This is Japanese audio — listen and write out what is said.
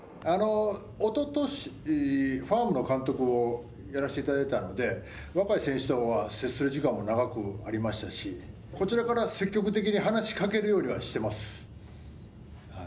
おととし、ファームの監督をやらせていただいたんで、若い選手とは接する時間も長くありましたし、こちらから積極的に話しかけるようにはしてます。